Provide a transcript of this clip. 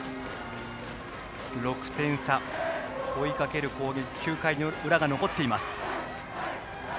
６点差、追いかける攻撃９回の裏が残っています。